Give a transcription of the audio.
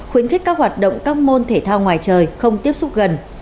khuyến khích các hoạt động các môn thể thao ngoài trời không tiếp xúc gần